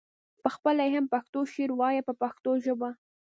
پخپله یې هم پښتو شعر وایه په پښتو ژبه.